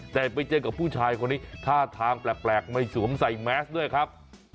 แต่ไปเจอกับผู้ชายคนนี้ท่าทางแปลกไม่สวมใส่แมสด้วยครับ